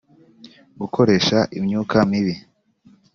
gukoresha imyuka mibi